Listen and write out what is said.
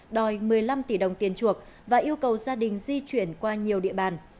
đòi một mươi năm tỷ đồng tiền chuộc và yêu cầu gia đình di chuyển qua nhiều địa bàn